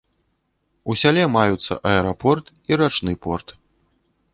У сяле маюцца аэрапорт і рачны порт.